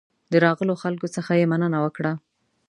د راغلو خلکو څخه یې مننه وکړه.